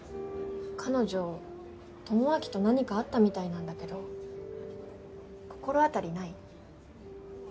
彼女智明と何かあったみたいなんだけど心当たりない？